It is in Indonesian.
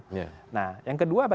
nah yang kedua bagi partai yang terjadi